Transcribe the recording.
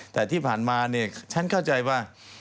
แต่ที่ผ่านมาฉันเข้าใจว่า